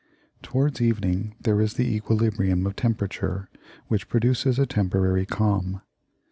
Towards evening there is the equilibrium of temperature which produces a temporary calm.